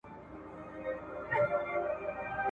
هېواد د خپلو فابریکو په درلودلو ویاړي.